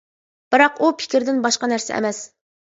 بىراق ئۇ، پىكىردىن باشقا نەرسە ئەمەس.